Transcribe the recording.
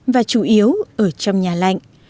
và chủ yếu ở trong nhà lạnh